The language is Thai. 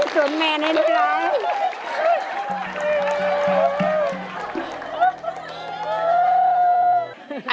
เกือบแม่ในตัวแม่